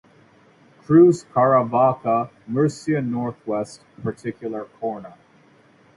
Cruz Caravaca, Murcia Northwest particular corner.